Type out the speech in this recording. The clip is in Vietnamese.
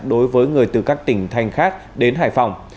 đối với người từ các tỉnh thành khác đến hải phòng